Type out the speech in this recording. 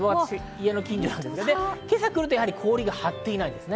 今朝来ると氷が張っていないんですね。